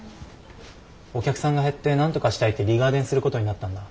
お客さんが減ってなんとかしたいってリガーデンすることになったんだ。